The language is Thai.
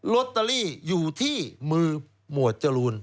ลอตเตอรี่อยู่ที่มือหมวดจรูน